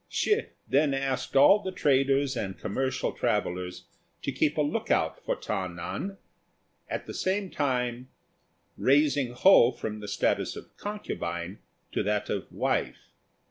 Hsi then asked all the traders and commercial travellers to keep a look out for Ta nan, at the same time raising Ho from the status of concubine to that of wife.